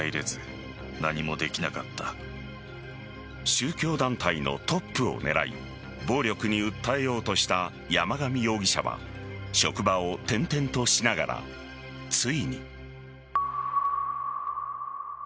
宗教団体のトップを狙い暴力に訴えようとした山上容疑者は職場を転々としながらついに。